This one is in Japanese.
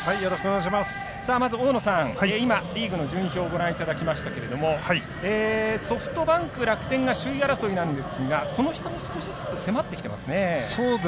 大野さん、リーグの順位表をご覧いただきましたがソフトバンク、楽天が首位争いなんですがその下も少しずつ迫ってきていますね。